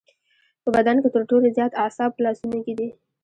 په بدن کې تر ټولو زیات اعصاب په لاسونو کې دي.